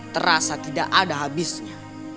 terasa tidak ada habisnya